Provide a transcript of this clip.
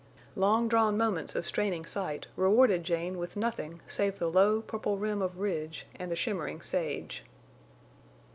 Long drawn moments of straining sight rewarded Jane with nothing save the low, purple rim of ridge and the shimmering sage.